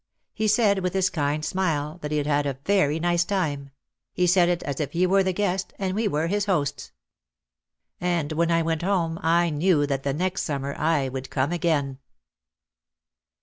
He said with his kind smile that he had had a very nice time; he said it as if he were the guest and we were his hosts. And when I went home I knew that the next summer I would come again.